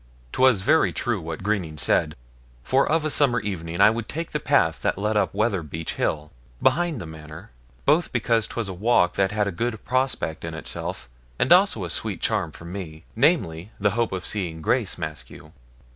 'Twas very true what Greening said; for of a summer evening I would take the path that led up Weatherbeech Hill, behind the Manor; both because 'twas a walk that had a good prospect in itself, and also a sweet charm for me, namely, the hope of seeing Grace Maskew.